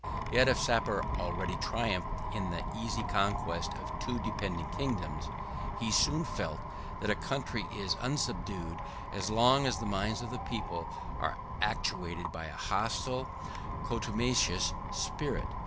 135 Yet if Sapor already triumphed in the easy conquest of two dependent kingdoms, he soon felt, that a country is unsubdued as long as the minds of the people are actuated by a hostile and contumacious spirit.